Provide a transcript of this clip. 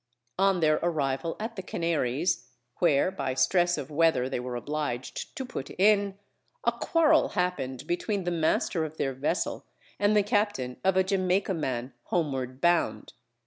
On their arrival at the Canaries, where by stress of weather they were obliged to put in, a quarrel happened between the master of their vessel and the captain of a Jamaicaman homeward bound.